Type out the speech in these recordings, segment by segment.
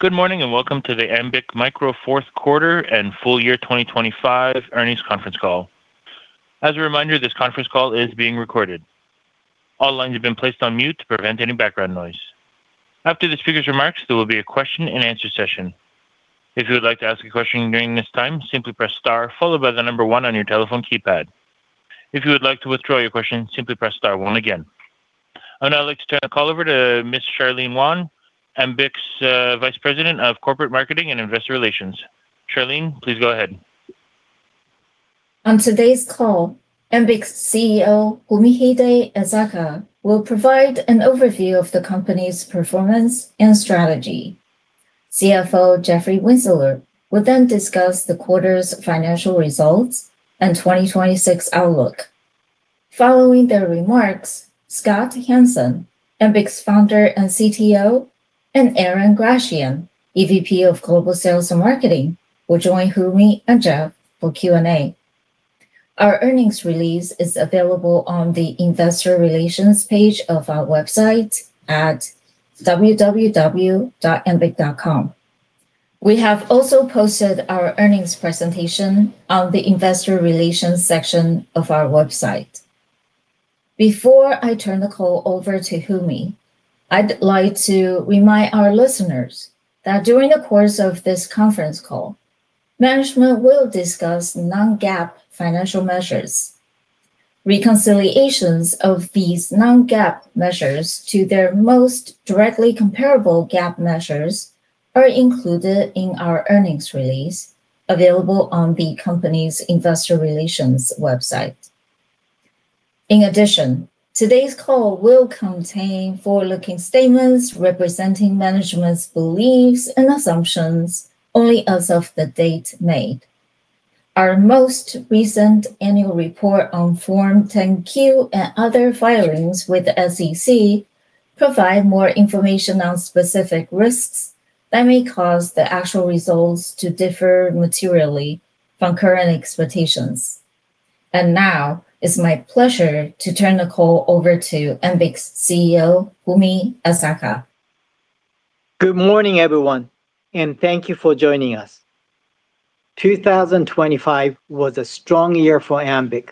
Good morning, and welcome to the Ambiq Micro Fourth Quarter and Full Year 25 Earnings Conference Call. As a reminder, this conference call is being recorded. All lines have been placed on mute to prevent any background noise. After the speaker's remarks, there will be a question and answer session. If you would like to ask a question during this time, simply press star followed by one on your telephone keypad. If you would like to withdraw your question, simply press star one again. I would now like to turn the call over to Ms. Charlene Wan, Ambiq's Vice President of Corporate Marketing and Investor Relations. Charlene, please go ahead. On today's call, Ambiq's CEO, Fumihide Esaka, will provide an overview of the company's performance and strategy. CFO Jeff Winzeler will discuss the quarter's financial results and 2026 outlook. Following their remarks, Scott Hanson, Ambiq's founder and CTO, and Aaron Grassian, EVP of Global Sales and Marketing, will join Fumi and Jeff for Q&A. Our earnings release is available on the investor relations page of our website at www.ambiq.com. We have also posted our earnings presentation on the investor relations section of our website. Before I turn the call over to Fumi, I'd like to remind our listeners that during the course of this conference call, management will discuss non-GAAP financial measures. Reconciliations of these non-GAAP measures to their most directly comparable GAAP measures are included in our earnings release available on the company's investor relations website. In addition, today's call will contain forward-looking statements representing management's beliefs and assumptions only as of the date made. Our most recent annual report on Form 10-Q and other filings with the SEC provide more information on specific risks that may cause the actual results to differ materially from current expectations. Now, it's my pleasure to turn the call over to Ambiq's CEO, Fumi Esaka. Good morning, everyone, and thank you for joining us. 2020 was a strong year for Ambiq,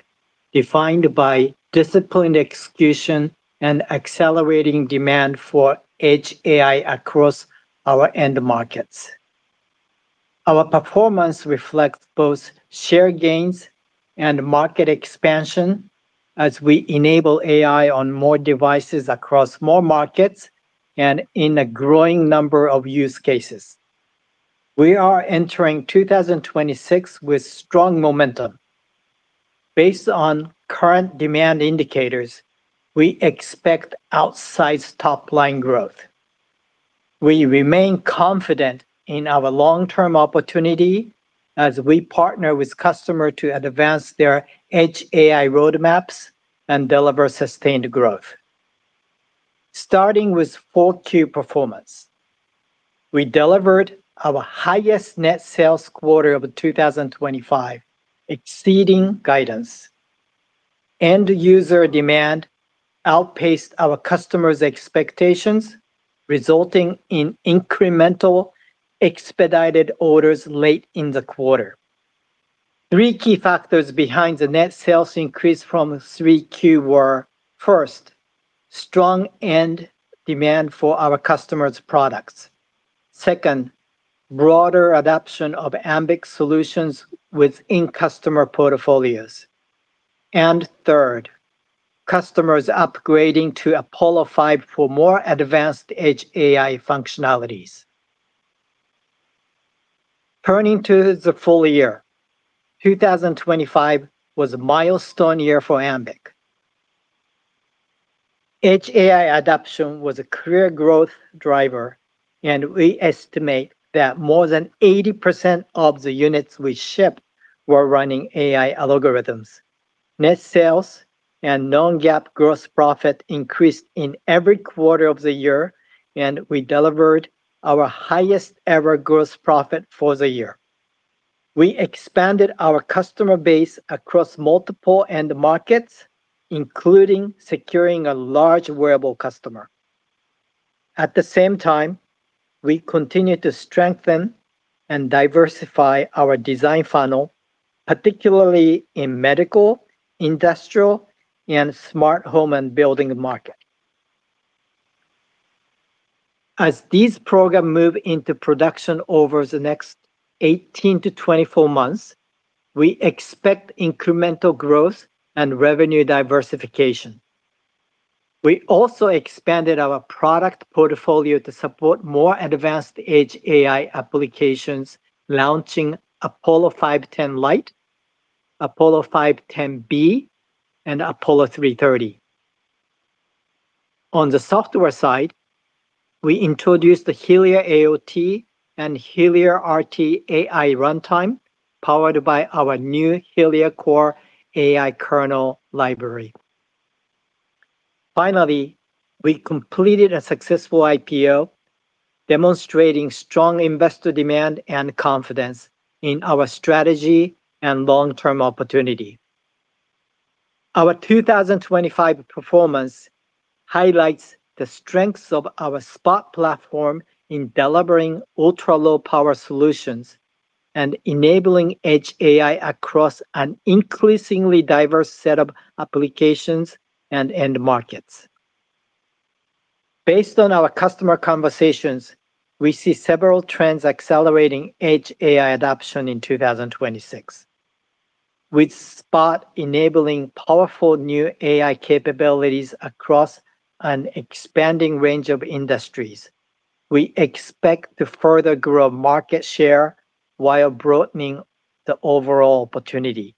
defined by disciplined execution and accelerating demand for Edge AI across our end markets. Our performance reflects both share gains and market expansion as we enable AI on more devices across more markets and in a growing number of use cases. We are entering 2026 with strong momentum. Based on current demand indicators, we expect outsized top-line growth. We remain confident in our long-term opportunity as we partner with customer to advance their Edge AI roadmaps and deliver sustained growth. Starting with 4Q performance. We delivered our highest net sales quarter of 2025, exceeding guidance. End user demand outpaced our customers' expectations, resulting in incremental expedited orders late in the quarter. Three key factors behind the net sales increase from 3Q were, first, strong end demand for our customers' products. Second, broader adoption of Ambiq's solutions within customer portfolios. Third, customers upgrading to Apollo5 for more advanced Edge AI functionalities. Turning to the full year. 2025 was a milestone year for Ambiq. Edge AI adoption was a clear growth driver, and we estimate that more than 80% of the units we shipped were running AI algorithms. Net sales and non-GAAP gross profit increased in every quarter of the year, and we delivered our highest ever gross profit for the year. We expanded our customer base across multiple end markets, including securing a large wearable customer. At the same time, we continued to strengthen and diversify our design funnel, particularly in medical, industrial, and smart home and building market. As these program move into production over the next 18 to 24 months, we expect incremental growth and revenue diversification. We also expanded our product portfolio to support more advanced Edge AI applications, launching Apollo510 Lite, Apollo510B, and Apollo330. On the software side, we introduced the HeliaAOT and HeliaRT AI runtime, powered by our new Helia Core AI kernel library. Finally, we completed a successful IPO, demonstrating strong investor demand and confidence in our strategy and long-term opportunity. Our 2025 performance highlights the strengths of our SPOT platform in delivering ultra-low power solutions and enabling Edge AI across an increasingly diverse set of applications and end markets. Based on our customer conversations, we see several trends accelerating Edge AI adoption in 2026. With SPOT enabling powerful new AI capabilities across an expanding range of industries, we expect to further grow market share while broadening the overall opportunity.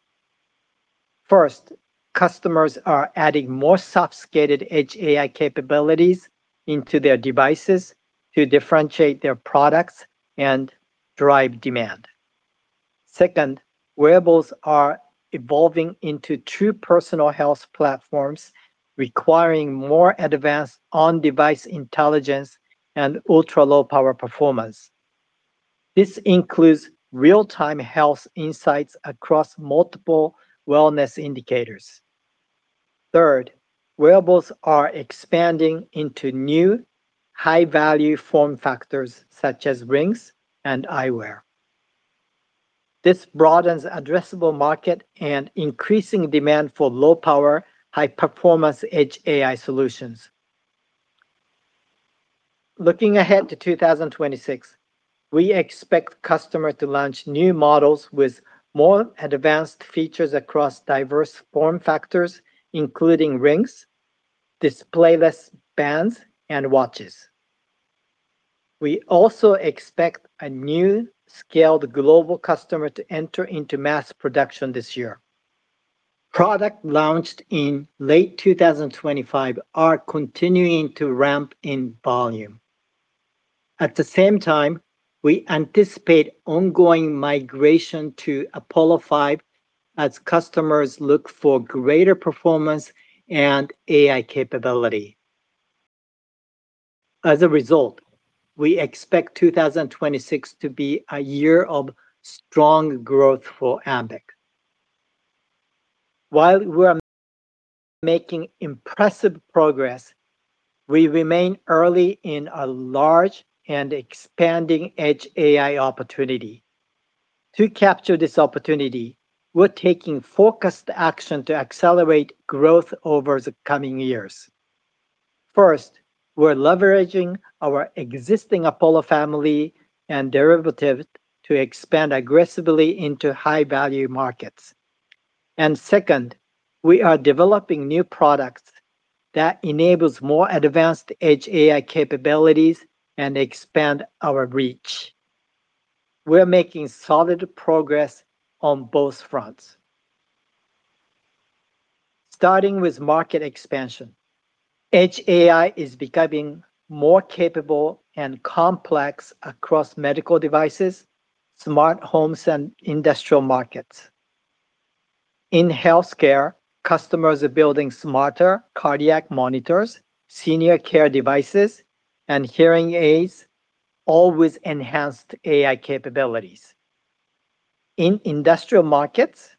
First, customers are adding more sophisticated Edge AI capabilities into their devices to differentiate their products and drive demand. Second, wearables are evolving into true personal health platforms, requiring more advanced on-device intelligence and ultra-low power performance. This includes real-time health insights across multiple wellness indicators. Third, wearables are expanding into new high-value form factors such as rings and eyewear. This broadens addressable market and increasing demand for low power, high performance Edge AI solutions. Looking ahead to 2026, we expect customer to launch new models with more advanced features across diverse form factors, including rings, displayless bands, and watches. We also expect a new scaled global customer to enter into mass production this year. Product launched in late 2025 are continuing to ramp in volume. At the same time, we anticipate ongoing migration to Apollo5 as customers look for greater performance and AI capability. As a result, we expect 2026 to be a year of strong growth for Ambiq. While we're making impressive progress, we remain early in a large and expanding Edge AI opportunity. To capture this opportunity, we're taking focused action to accelerate growth over the coming years. First, we're leveraging our existing Apollo family and derivative to expand aggressively into high-value markets. Second, we are developing new products that enables more advanced Edge AI capabilities and expand our reach. We are making solid progress on both fronts. Starting with market expansion, Edge AI is becoming more capable and complex across medical devices, smart homes, and industrial markets. In healthcare, customers are building smarter cardiac monitors, senior care devices, and hearing aids, all with enhanced AI capabilities. In industrial markets,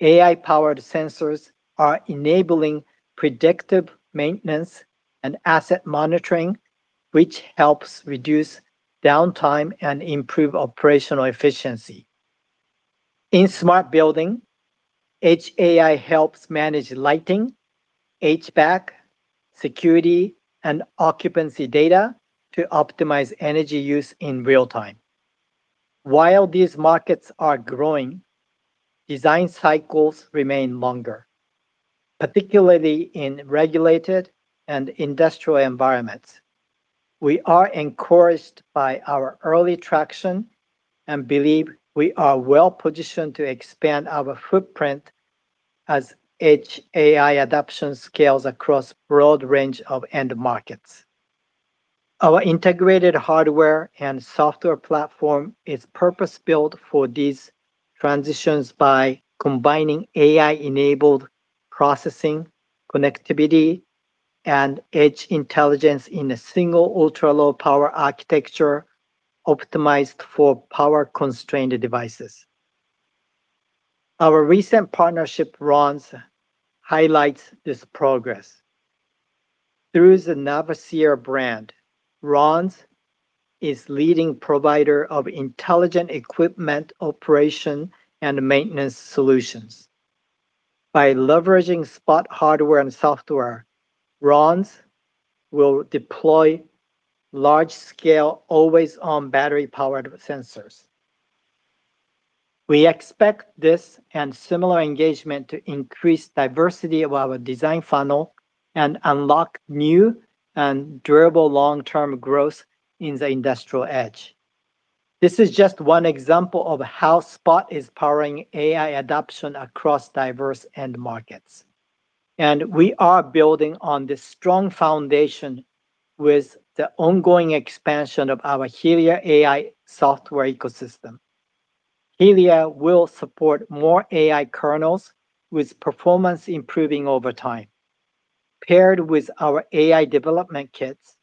AI-powered sensors are enabling predictive maintenance and asset monitoring, which helps reduce downtime and improve operational efficiency. In smart building, edge AI helps manage lighting, HVAC, security, and occupancy data to optimize energy use in real time. While these markets are growing, design cycles remain longer, particularly in regulated and industrial environments. We are encouraged by our early traction and believe we are well-positioned to expand our footprint as edge AI adoption scales across broad range of end markets. Our integrated hardware and software platform is purpose-built for these transitions by combining AI-enabled processing, connectivity, and edge intelligence in a single ultra-low power architecture optimized for power-constrained devices. Our recent partnership, Ronds, highlights this progress. Through the Navinsue brand, Ronds is leading provider of intelligent equipment operation and maintenance solutions. By leveraging SPOT hardware and software, Ronds will deploy large scale always on battery-powered sensors. We expect this and similar engagement to increase diversity of our design funnel and unlock new and durable long-term growth in the industrial edge. This is just one example of how SPOT is powering AI adoption across diverse end markets. We are building on this strong foundation with the ongoing expansion of our Helia AI software ecosystem. Helia will support more AI kernels with performance improving over time. Paired with our AI development kits,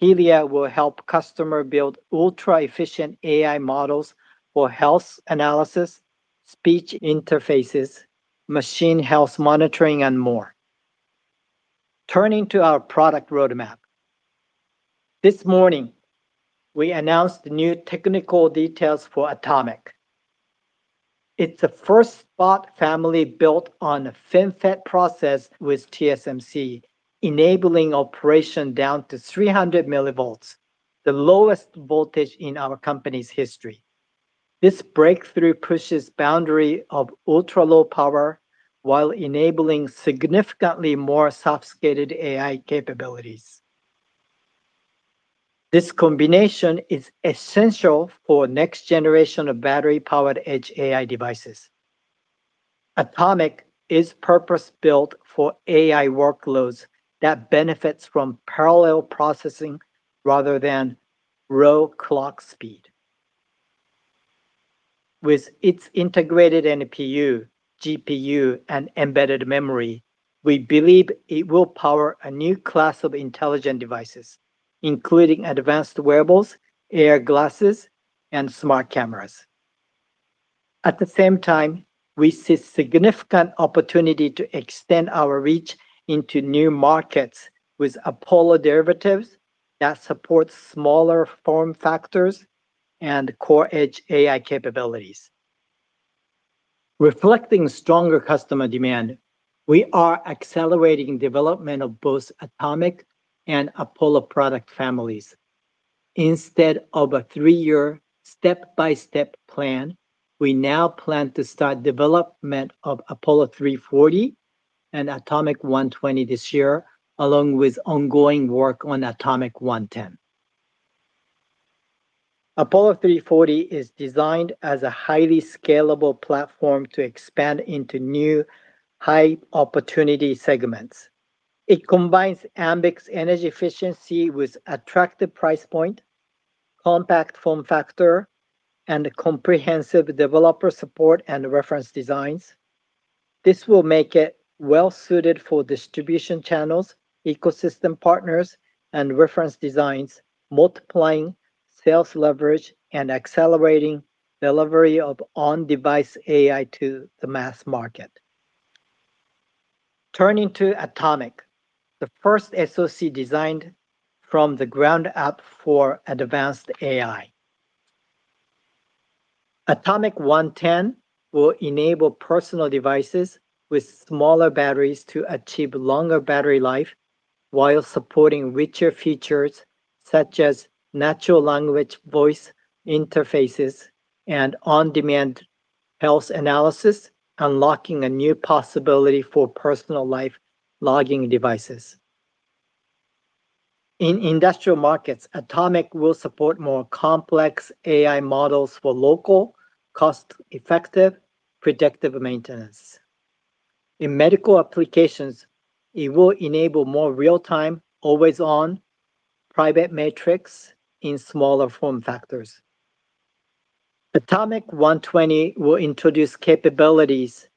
Helia will help customer build ultra-efficient AI models for health analysis, speech interfaces, machine health monitoring, and more. Turning to our product roadmap. This morning, we announced new technical details for Atomic. It's the first SPOT family built on a FinFET process with TSMC, enabling operation down to 300 mV, the lowest voltage in our company's history. This breakthrough pushes boundary of ultra-low power while enabling significantly more sophisticated AI capabilities. This combination is essential for next generation of battery-powered Edge AI devices. Atomic is purpose-built for AI workloads that benefits from parallel processing rather than raw clock speed. With its integrated NPU, GPU, and embedded memory, we believe it will power a new class of intelligent devices, including advanced wearables, AR glasses, and smart cameras. At the same time, we see significant opportunity to extend our reach into new markets with Apollo derivatives that support smaller form factors and core Edge AI capabilities. Reflecting stronger customer demand, we are accelerating development of both Atomic and Apollo product families. Instead of a three-year step-by-step plan, we now plan to start development of Apollo340 and Atomic120 this year, along with ongoing work on Atomic110. Apollo340 is designed as a highly scalable platform to expand into new high-opportunity segments. It combines Ambiq's energy efficiency with attractive price point, compact form factor, and comprehensive developer support and reference designs. This will make it well-suited for distribution channels, ecosystem partners, and reference designs, multiplying sales leverage and accelerating delivery of on-device AI to the mass market. Turning to Atomic, the first SoC designed from the ground up for advanced AI. Atomic110 will enable personal devices with smaller batteries to achieve longer battery life while supporting richer features such as natural language voice interfaces and on-demand health analysis, unlocking a new possibility for personal life logging devices. In industrial markets, Atomic will support more complex AI models for local, cost-effective, predictive maintenance. In medical applications, it will enable more real-time, always-on private metrics in smaller form factors. Atomic one twenty will introduce capabilities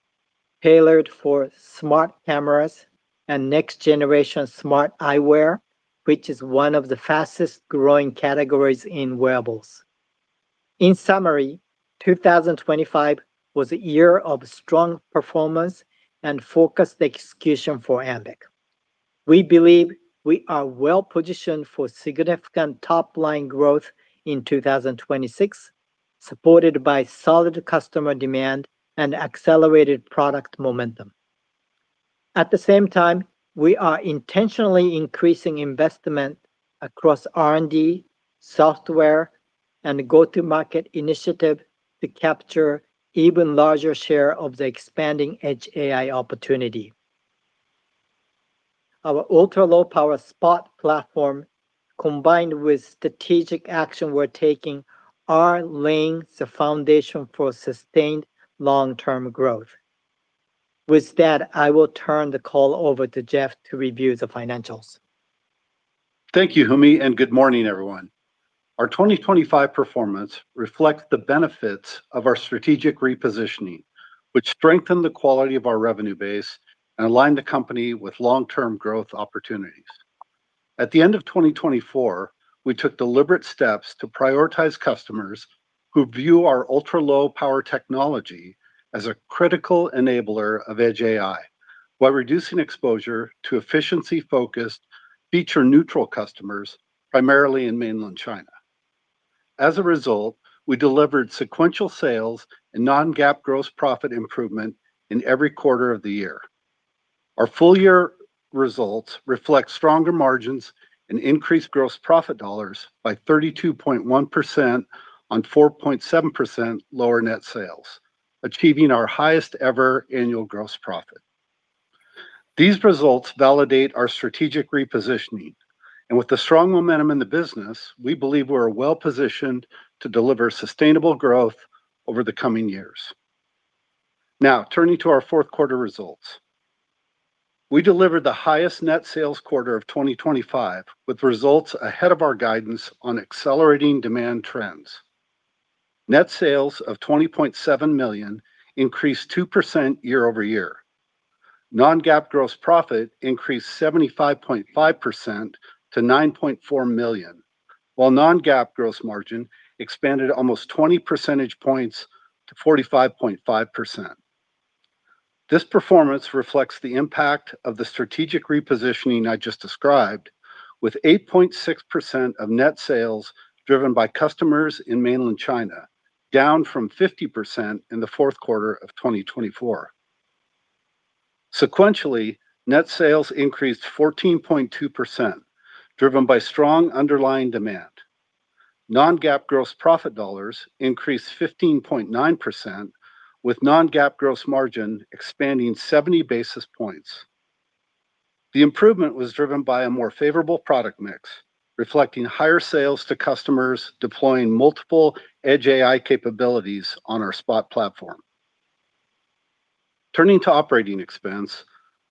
tailored for smart cameras and next-generation smart eyewear, which is one of the fastest-growing categories in wearables. In summary, 2025 was a year of strong performance and focused execution for Ambiq. We believe we are well-positioned for significant top-line growth in 2026, supported by solid customer demand and accelerated product momentum. At the same time, we are intentionally increasing investment across R&D, software, and go-to-market initiative to capture even larger share of the expanding Edge AI opportunity. Our ultra-low power SPOT platform, combined with strategic action we're taking, are laying the foundation for sustained long-term growth. With that, I will turn the call over to Jeff to review the financials. Thank you, Fumi. Good morning, everyone. Our 2025 performance reflects the benefits of our strategic repositioning, which strengthened the quality of our revenue base and aligned the company with long-term growth opportunities. At the end of 2024, we took deliberate steps to prioritize customers who view our ultra-low-power technology as a critical enabler of Edge AI while reducing exposure to efficiency-focused, feature-neutral customers, primarily in mainland China. As a result, we delivered sequential sales and non-GAAP gross profit improvement in every quarter of the year. Our full-year results reflect stronger margins and increased gross profit dollars by 32.1% on 4.7% lower net sales, achieving our highest ever annual gross profit. These results validate our strategic repositioning. With the strong momentum in the business, we believe we're well-positioned to deliver sustainable growth over the coming years. Turning to our fourth quarter results. We delivered the highest net sales quarter of 2025, with results ahead of our guidance on accelerating demand trends. Net sales of $20.7 million increased 2% year-over-year. non-GAAP gross profit increased 75.5% to $9.4 million while non-GAAP gross margin expanded almost 20 percentage points to 45.5%. This performance reflects the impact of the strategic repositioning I just described with 8.6% of net sales driven by customers in mainland China, down from 50% in the fourth quarter of 2024. Sequentially, net sales increased 14.2%, driven by strong underlying demand. non-GAAP gross profit dollars increased 15.9%, with non-GAAP gross margin expanding 70 basis points. The improvement was driven by a more favorable product mix, reflecting higher sales to customers deploying multiple Edge AI capabilities on our SPOT platform. Turning to operating expense,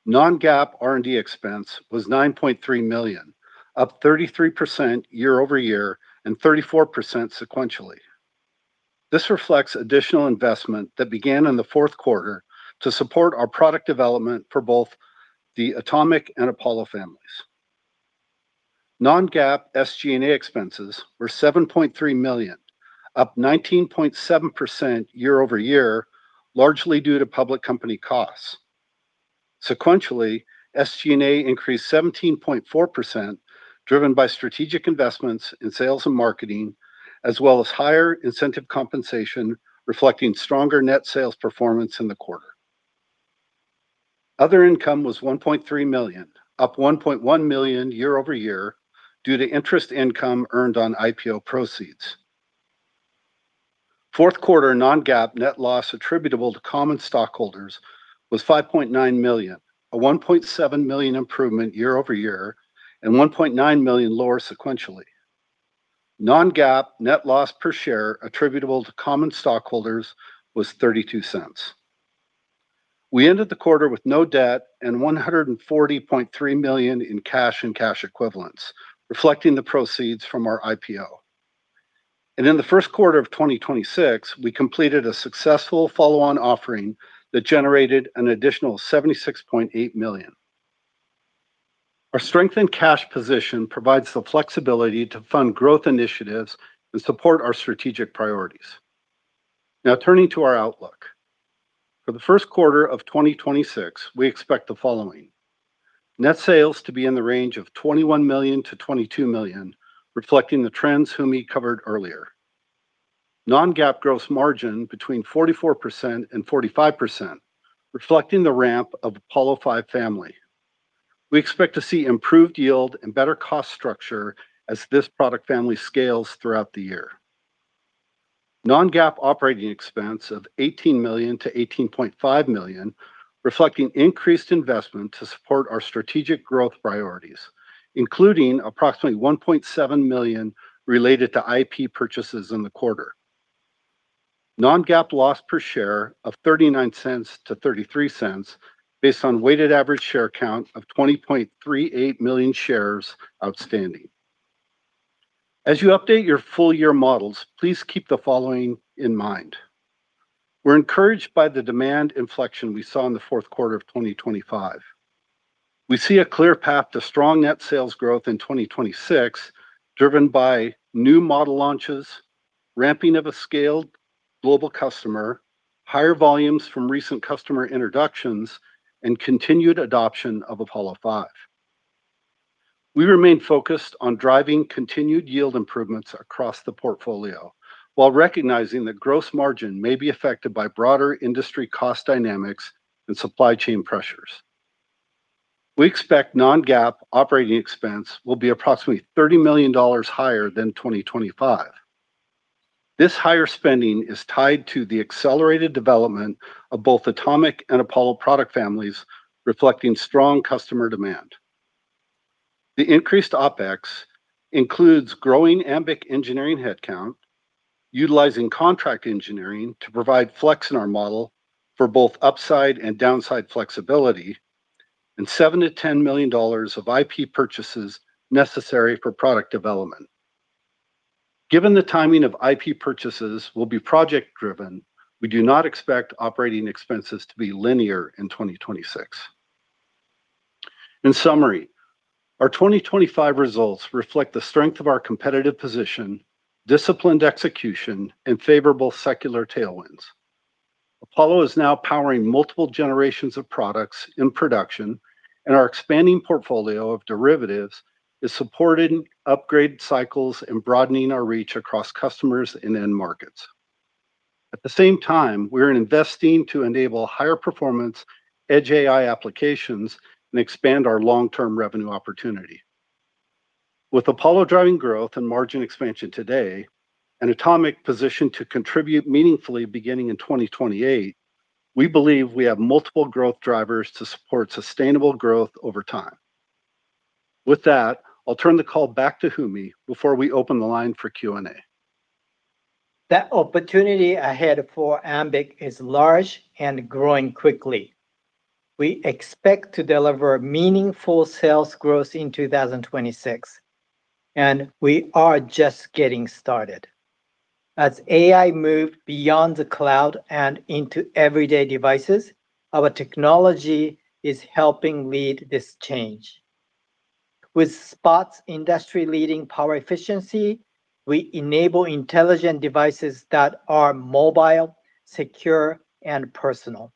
non-GAAP R&D expense was $9.3 million, up 33% year-over-year and 34% sequentially. This reflects additional investment that began in the fourth quarter to support our product development for both the Atomic and Apollo families. Non-GAAP SG&A expenses were $7.3 million, up 19.7% year-over-year, largely due to public company costs. Sequentially, SG&A increased 17.4%, driven by strategic investments in sales and marketing, as well as higher incentive compensation, reflecting stronger net sales performance in the quarter. Other income was $1.3 million, up $1.1 million year-over-year due to interest income earned on IPO proceeds. Fourth quarter non-GAAP net loss attributable to common stockholders was $5.9 million, a $1.7 million improvement year-over-year and $1.9 million lower sequentially. Non-GAAP net loss per share attributable to common stockholders was $0.32. We ended the quarter with no debt and $140.3 million in cash and cash equivalents, reflecting the proceeds from our IPO. In the first quarter of 2026, we completed a successful follow-on offering that generated an additional $76.8 million. Our strengthened cash position provides the flexibility to fund growth initiatives and support our strategic priorities. Now turning to our outlook. For the first quarter of 2026, we expect the following: Net sales to be in the range of $21 million-$22 million, reflecting the trends Fumi covered earlier. Non-GAAP gross margin between 44% and 45%, reflecting the ramp of Apollo5 family. We expect to see improved yield and better cost structure as this product family scales throughout the year. Non-GAAP operating expense of $18 million-$18.5 million, reflecting increased investment to support our strategic growth priorities, including approximately $1.7 million related to IP purchases in the quarter. Non-GAAP loss per share of $0.39-$0.33 based on weighted average share count of 20.38 million shares outstanding. As you update your full year models, please keep the following in mind. We're encouraged by the demand inflection we saw in the fourth quarter of 2025. We see a clear path to strong net sales growth in 2026, driven by new model launches, ramping of a scaled global customer, higher volumes from recent customer introductions, and continued adoption of Apollo5. We remain focused on driving continued yield improvements across the portfolio while recognizing that gross margin may be affected by broader industry cost dynamics and supply chain pressures. We expect non-GAAP operating expense will be approximately $30 million higher than 2025. This higher spending is tied to the accelerated development of both Atomic and Apollo product families, reflecting strong customer demand. The increased OpEx includes growing Ambiq engineering headcount, utilizing contract engineering to provide flex in our model for both upside and downside flexibility, and $7 million-$10 million of IP purchases necessary for product development. Given the timing of IP purchases will be project-driven, we do not expect operating expenses to be linear in 2026. In summary, our 2025 results reflect the strength of our competitive position, disciplined execution, and favorable secular tailwinds. Apollo is now powering multiple generations of products in production, and our expanding portfolio of derivatives is supporting upgrade cycles and broadening our reach across customers and end markets. At the same time, we're investing to enable higher performance Edge AI applications and expand our long-term revenue opportunity. With Apollo driving growth and margin expansion today and Atomic positioned to contribute meaningfully beginning in 2028, we believe we have multiple growth drivers to support sustainable growth over time. With that, I'll turn the call back to Fumi before we open the line for Q&A. That opportunity ahead for Ambiq is large and growing quickly. We expect to deliver meaningful sales growth in 2026. We are just getting started. AI move beyond the cloud and into everyday devices, our technology is helping lead this change. SPOT's industry-leading power efficiency, we enable intelligent devices that are mobile, secure, and personal.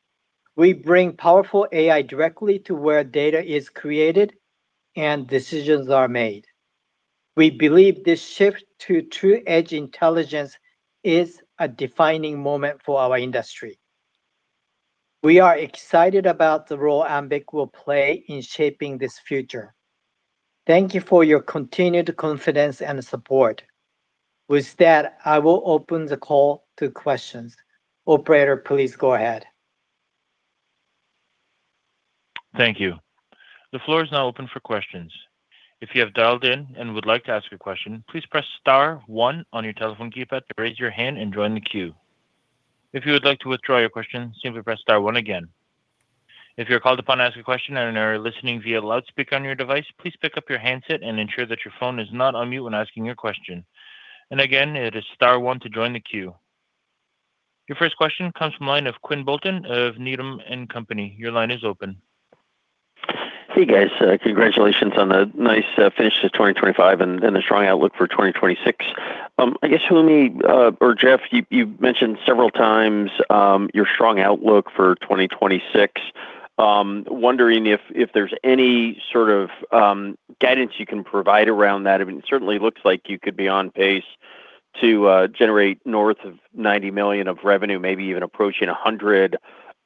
We bring powerful AI directly to where data is created and decisions are made. We believe this shift to true edge intelligence is a defining moment for our industry. We are excited about the role Ambiq will play in shaping this future. Thank you for your continued confidence and support. I will open the call to questions. Operator, please go ahead. Thank you. The floor is now open for questions. If you have dialed in and would like to ask a question, please press star one on your telephone keypad to raise your hand and join the queue. If you would like to withdraw your question, simply press star one again. If you're called upon to ask a question and are listening via loudspeaker on your device, please pick up your handset and ensure that your phone is not on mute when asking your question. And again, it is star one to join the queue. Your first question comes from line of Quinn Bolton of Needham & Company. Your line is open. Hey, guys. Congratulations on the nice finish to 2025 and the strong outlook for 2026. I guess, Fumi, or Jeff, you mentioned several times your strong outlook for 2026. Wondering if there's any sort of guidance you can provide around that. I mean, it certainly looks like you could be on pace to generate north of $90 million of revenue, maybe even approaching $100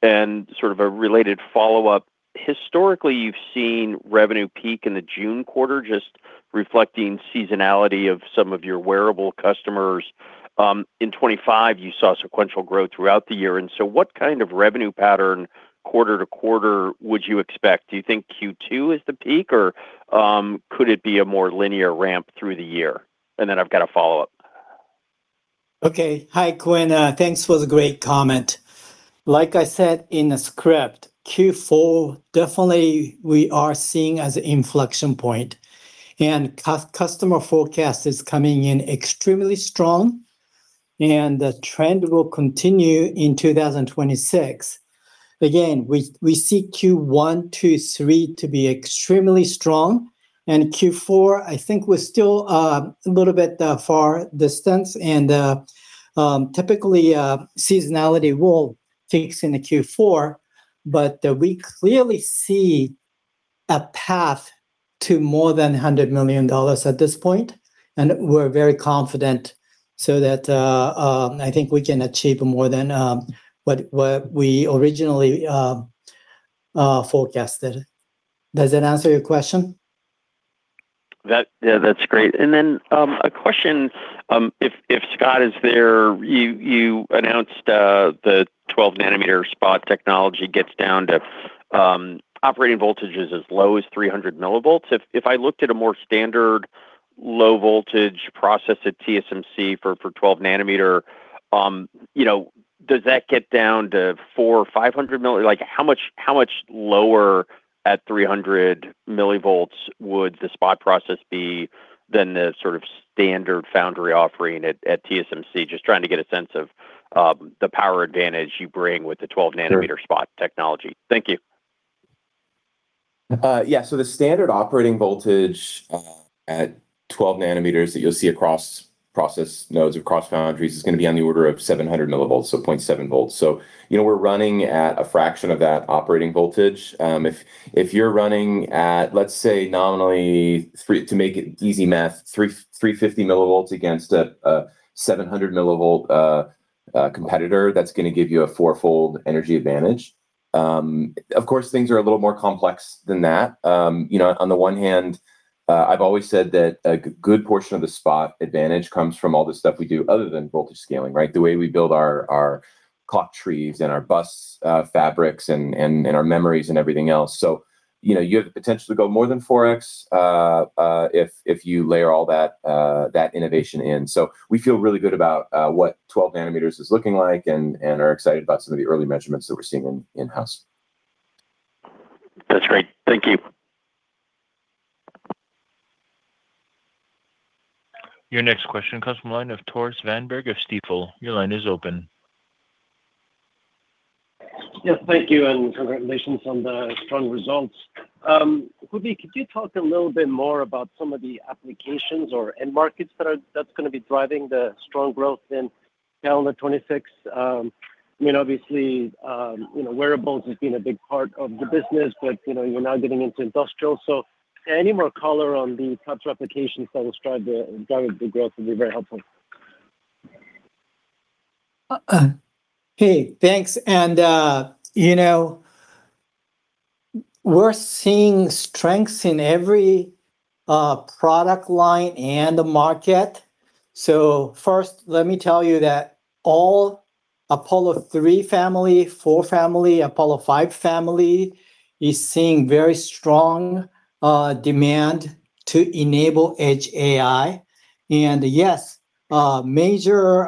million. Sort of a related follow-up, historically, you've seen revenue peak in the June quarter, just reflecting seasonality of some of your wearable customers. In 2025, you saw sequential growth throughout the year, what kind of revenue pattern quarter to quarter would you expect? Do you think Q2 is the peak, or could it be a more linear ramp through the year? I've got a follow-up. Okay. Hi, Quinn. Thanks for the great comment. Like I said in the script, Q4, definitely we are seeing as an inflection point. Customer forecast is coming in extremely strong. The trend will continue in 2026. Again, we see Q1, Q2, Q3 to be extremely strong. Q4, I think we're still a little bit far distance and typically seasonality will peak in the Q4. We clearly see a path to more than $100 million at this point, we're very confident so that I think we can achieve more than what we originally forecasted. Does that answer your question? Yeah, that's great. A question, if Scott is there, you announced the 12 nm SPOT technology gets down to operating voltages as low as 300 mV. If I looked at a more standard low voltage process at TSMC for 12 nm, you know, does that get down to 400 mV, 500 mV? Like, how much lower at 300 mV would the SPOT process be than the sort of standard foundry offering at TSMC? Just trying to get a sense of the power advantage you bring with the 12 nm- Sure. SPOT technology. Thank you. Yeah. The standard operating voltage at 12 nm that you'll see across process nodes or across foundries is gonna be on the order of 700 mV, so 0.7 V. You know, we're running at a fraction of that operating voltage. If you're running at, let's say, nominally to make it easy math, 350 mV against a 700 mV competitor, that's gonna give you a fourfold energy advantage. Of course, things are a little more complex than that. You know, on the one hand, I've always said that a good portion of the SPOT advantage comes from all the stuff we do other than voltage scaling, right? The way we build our clock trees and our bus fabrics and our memories and everything else. You know, you have the potential to go more than 4x if you layer all that innovation in. We feel really good about what 12 nm is looking like and are excited about some of the early measurements that we're seeing in-house. That's great. Thank you. Your next question comes from line of Tore Svanberg of Stifel. Your line is open. Yes, thank you. Congratulations on the strong results. Fumi, could you talk a little bit more about some of the applications or end markets that's gonna be driving the strong growth in calendar 2026? You know, obviously, you know, wearables has been a big part of the business, but, you know, you're now getting into industrial. Any more color on the types of applications that will drive the growth would be very helpful. Hey, thanks. You know, we're seeing strengths in every product line and market. First, let me tell you that all Apollo3 family, Apollo4 family, Apollo5 family is seeing very strong demand to enable Edge AI. Yes, major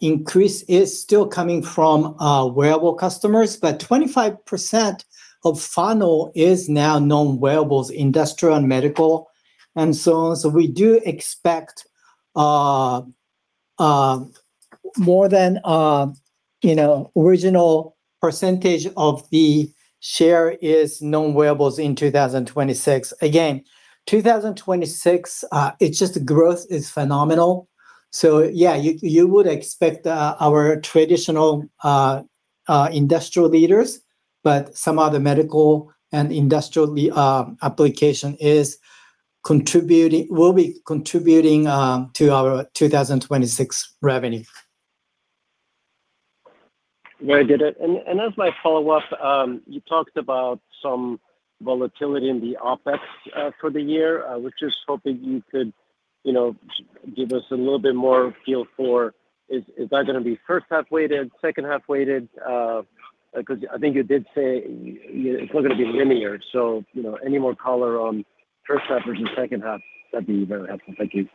increase is still coming from our wearable customers, but 25% of funnel is now non-wearables, industrial and medical and so on. We do expect, more than, you know, original percentage of the share is non-wearables in 2026. Again, 2026, it's just the growth is phenomenal. You, you would expect our traditional industrial leaders, but some other medical and industrial application is contributing to our 2026 revenue. Very good. As my follow-up, you talked about some volatility in the OpEx for the year. I was just hoping you could, you know, give us a little bit more feel for is that gonna be first half-weighted, second half-weighted? I think you did say it's not gonna be linear. You know, any more color on first half versus second half, that'd be very helpful. Thank you.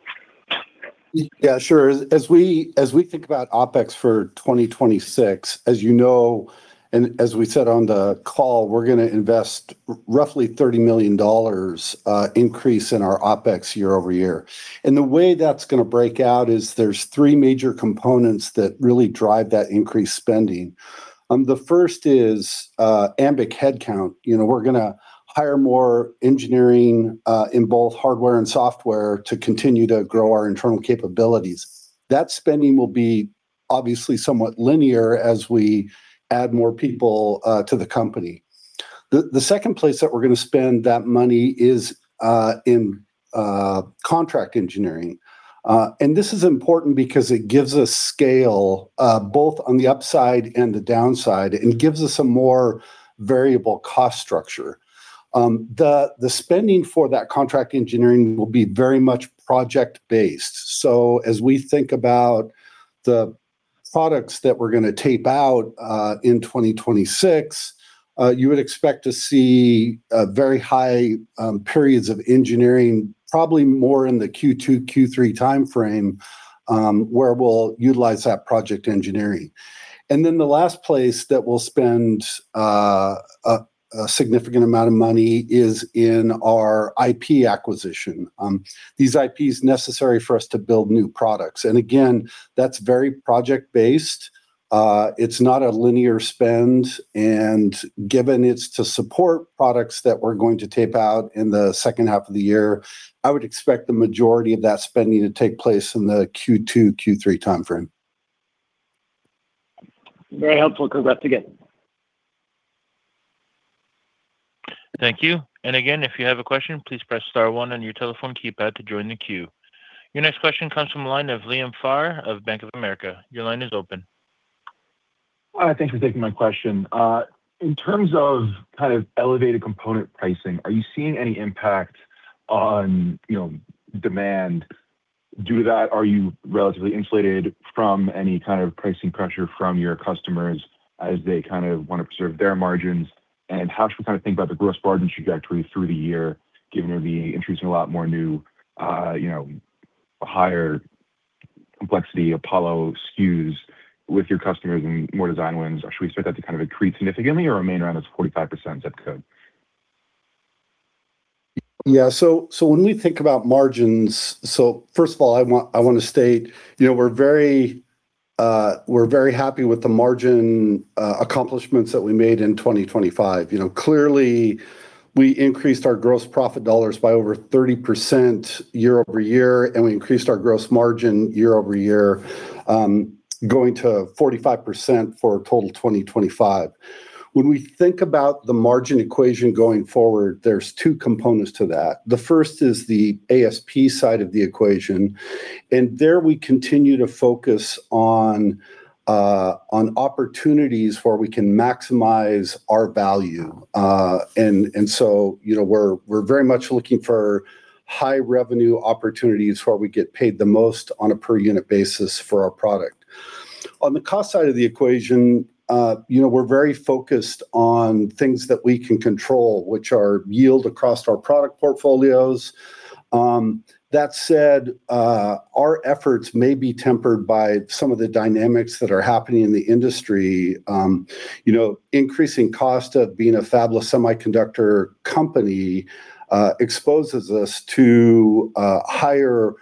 Sure. As we think about OpEx for 2026, as you know, and as we said on the call, we're gonna invest roughly $30 million, increase in our OpEx year-over-year. The way that's gonna break out is there's three major components that really drive that increased spending. The first is Ambiq headcount. You know, we're gonna hire more engineering in both hardware and software to continue to grow our internal capabilities. That spending will be obviously somewhat linear as we add more people to the company. The second place that we're gonna spend that money is in contract engineering. This is important because it gives us scale both on the upside and the downside, and gives us a more variable cost structure. The spending for that contract engineering will be very much project-based. As we think about the products that we're gonna tape out in 2026, you would expect to see a very high periods of engineering, probably more in the Q2, Q3 timeframe, where we'll utilize that project engineering. The last place that we'll spend a significant amount of money is in our IP acquisition. These IP is necessary for us to build new products. Again, that's very project-based. It's not a linear spend, and given it's to support products that we're going to tape out in the second half of the year, I would expect the majority of that spending to take place in the Q2, Q3 timeframe. Very helpful. Thanks again. Thank you. Again, if you have a question, please press star one on your telephone keypad to join the queue. Your next question comes from the line of Liam Farr of Bank of America. Your line is open. Hi, thank you for taking my question. In terms of kind of elevated component pricing, are you seeing any impact on, you know, demand due to that? Are you relatively insulated from any kind of pricing pressure from your customers as they kind of want to preserve their margins? And how should we kind of think about the gross margin trajectory through the year, given you'll be introducing a lot more new, you know, higher complexity Apollo SKUs with your customers and more design wins? Or should we expect that to kind of increase significantly or remain around this 45% zip code? Yeah. When we think about margins. First of all, I want to state, you know, we're very happy with the margin accomplishments that we made in 2025. You know, clearly we increased our gross profit dollars by over 30% year-over-year, and we increased our gross margin year-over-year, going to 45% for a total 2025. When we think about the margin equation going forward, there's two components to that. The first is the ASP side of the equation, and there we continue to focus on opportunities where we can maximize our value. You know, we're very much looking for high revenue opportunities where we get paid the most on a per unit basis for our product. On the cost side of the equation, you know, we're very focused on things that we can control, which are yield across our product portfolios. That said, our efforts may be tempered by some of the dynamics that are happening in the industry. You know, increasing cost of being a fabless semiconductor company, exposes us to, higher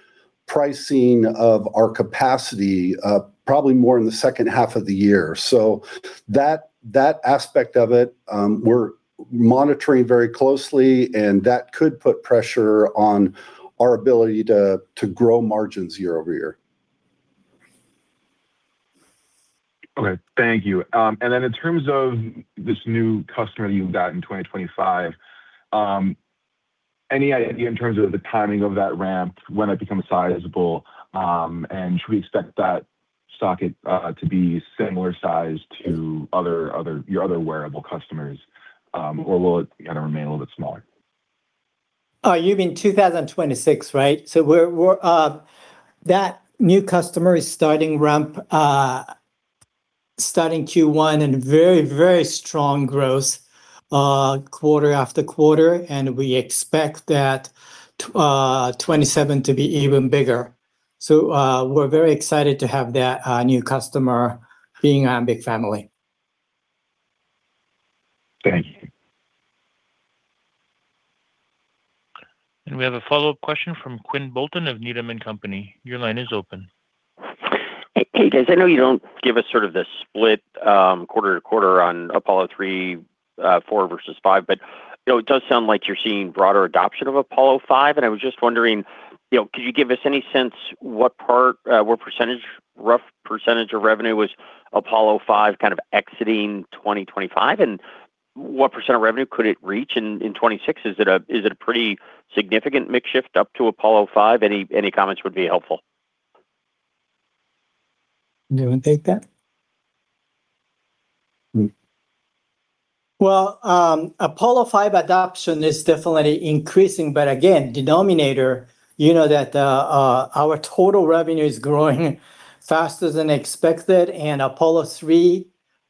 pricing of our capacity, probably more in the second half of the year. That aspect of it, we're monitoring very closely, and that could put pressure on our ability to grow margins year-over-year. Okay. Thank you. In terms of this new customer you've got in 2025, any idea in terms of the timing of that ramp, when it becomes sizable, and should we expect that socket to be similar size to other, your other wearable customers, or will it kind of remain a little bit smaller? You mean 2026, right? That new customer is starting ramp starting Q1 and very, very strong growth, quarter after quarter, and we expect that 2027 to be even bigger. We're very excited to have that new customer being our big family. Thank you. We have a follow-up question from Quinn Bolton of Needham and Company. Your line is open. Hey, guys. I know you don't give us sort of the split, quarter to quarter on Apollo3, Apollo4 versus Apollo5. You know, it does sound like you're seeing broader adoption of Apollo5. I was just wondering, you know, could you give us any sense what percent, rough percent of revenue was Apollo5 kind of exiting 2025, what percent of revenue could it reach in 2026? Is it a pretty significant mix shift up to Apollo5? Any comments would be helpful. You wanna take that? Well, Apollo5 adoption is definitely increasing, but again, denominator, you know that our total revenue is growing faster than expected, and Apollo3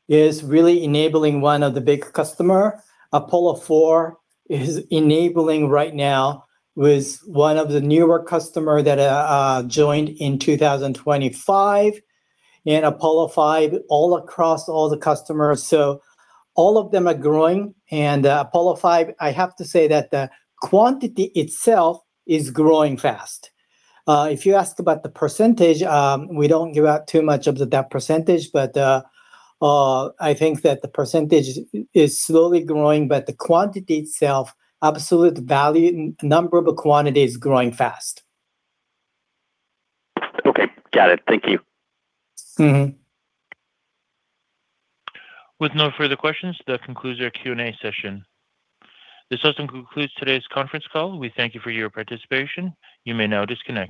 is really enabling one of the big customer. Apollo4 is enabling right now with one of the newer customer that joined in 2025, and Apollo5 all across all the customers. All of them are growing. Apollo5, I have to say that the quantity itself is growing fast. If you ask about the percentage, we don't give out too much of that percentage, but I think that the percentage is slowly growing, but the quantity itself, absolute value, number of quantity is growing fast. Okay. Got it. Thank you. Mm-hmm. With no further questions, that concludes our Q&A session. This also concludes today's conference call. We thank you for your participation. You may now disconnect.